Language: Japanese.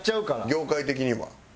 業界的には？